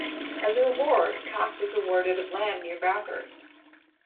As a reward Cox was awarded of land near Bathurst.